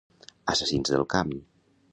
Assassins del camp.